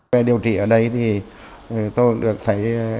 về điều trị ở đây thì tôi được thấy